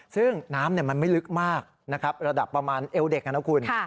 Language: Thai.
ซึ่งน้ำมันไม่ลึกมากระดับประมาณเอวเด็กนะครับคุณ